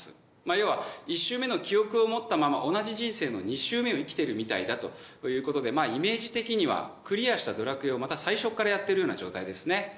要は１周目の記憶を持ったまま同じ人生の２周目を生きてるみたいだという事でまあイメージ的にはクリアした『ドラクエ』をまた最初からやってるような状態ですね。